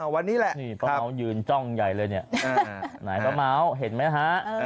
ป้าเม้ายืนจ้องใหญ่เลยเนี่ยไหนป้าเม้าเห็นมั้ยฮะ